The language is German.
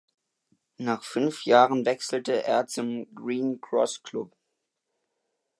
Nach fünf Jahren wechselte er zum Green Cross Club.